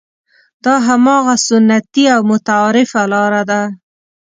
دا هماغه سنتي او متعارفه لاره ده.